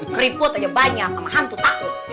keriput aja banyak teman hantu takut